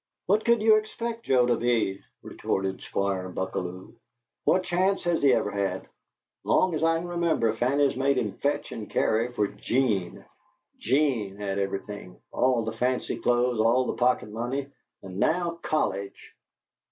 "What could you expect Joe to be?" retorted Squire Buckalew. "What chance has he ever had? Long as I can remember Fanny's made him fetch and carry for 'Gene. 'Gene's had everything all the fancy clothes, all the pocket money, and now college!"